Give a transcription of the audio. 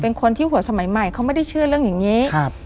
เป็นคนที่หัวสมัยใหม่เขาไม่ได้เชื่อเรื่องอย่างนี้ครับ